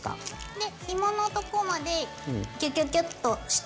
でひものとこまでギュギュギュッと下に。